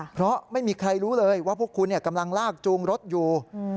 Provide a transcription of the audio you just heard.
เพราะไม่มีใครรู้เลยว่าพวกคุณกำลังลากจูงรถอยู่